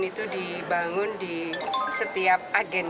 dan itu dibangun di setiap agen